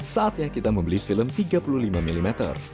saatnya kita membeli film tiga puluh lima mm